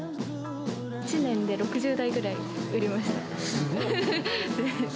１年で６０台ぐらい売りましすごっ。